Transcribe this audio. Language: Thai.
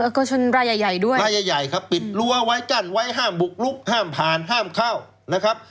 โกชนรายใหญ่ใหญ่ด้วยรายใหญ่ใหญ่ครับปิดรั้วไว้กั้นไว้ห้ามบุกลุกห้ามผ่านห้ามเข้านะครับ